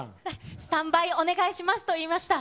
スタンバイお願いしますと言いました。